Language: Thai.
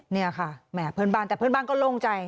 นี่อ่ะค่ะแหม่เพลินบ้านแต่เพลินบ้านก็ลงใจ